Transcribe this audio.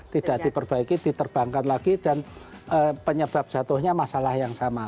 tidak diperbaiki diterbangkan lagi dan penyebab jatuhnya masalah yang sama